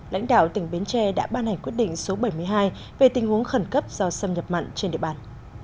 lãnh đạo tỉnh bến tre đã ban hành quyết định số bảy mươi hai về tình huống khẩn cấp do xâm nhập mặn trên địa bàn